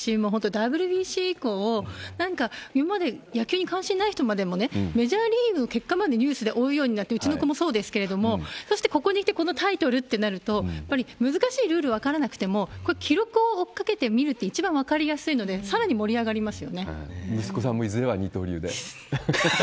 ＷＢＣ以降、なんか今まで野球に関心ない人までもね、メジャーリーグの結果までニュースで追うようになって、うちの子もそうですけれども、そして、ここにきてこのタイトルってなると、やっぱり難しいルール分からなくても、これ、記録を追っかけて見るって一番分かりやすいので、さらに盛り上が息子さんもいずれは二刀流で。